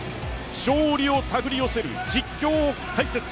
勝利をたぐり寄せる実況解説